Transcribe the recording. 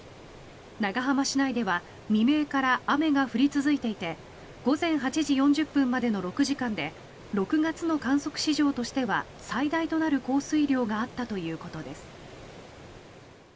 長浜市内では未明から雨が降り続いていて午前８時４０分までの６時間で６月の観測史上としては最大となる降水量があったということです。